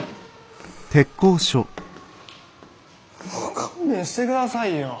もう勘弁してくださいよ。